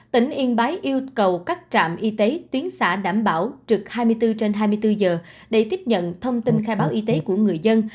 tỉnh yên bái yêu cầu các trạm y tế tuyến xã đảm bảo trực hai mươi bốn trên hai mươi bốn giờ để tiếp nhận thông tin khai báo y tế của người dân